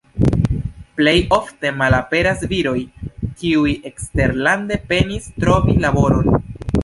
Plej ofte malaperas viroj, kiuj eksterlande penis trovi laboron.